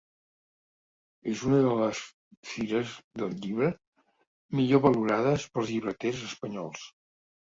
És una de les fires del llibre millor valorades pels llibreters espanyols.